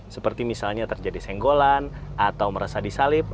seperti misalnya terjadi senggolan atau merasa disalib